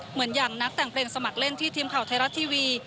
เหมือนอย่างนักแต่งเพลงสมัครเล่นที่ทีมข่าวไทยรัฐทีวี